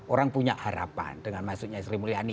orang punya harapan dengan masuknya sri mulyani